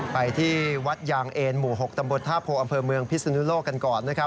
ไปที่วัดยางเอนหมู่๖ตำบลท่าโพอำเภอเมืองพิศนุโลกกันก่อนนะครับ